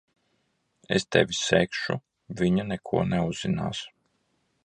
Es tevi segšu. Viņa neko neuzzinās.